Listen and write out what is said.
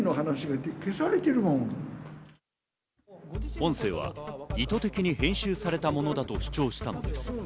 音声は意図的に編集されたものだと主張したのです。